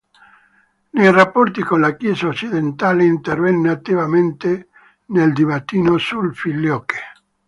Nei rapporti con la Chiesa occidentale, intervenne attivamente nel dibattito sul Filioque.